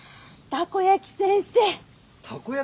たこ焼き先生？